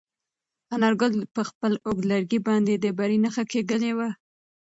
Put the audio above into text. انارګل په خپل اوږد لرګي باندې د بري نښه کښلې وه.